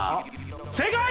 正解！